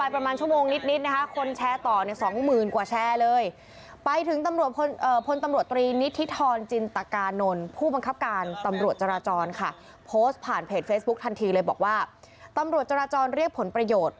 โพสต์ผ่านเพจเฟซบุ๊คทันทีเลยบอกว่าตำรวจจราจรเรียกผลประโยชน์